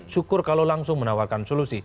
syukur kalau langsung menawarkan solusi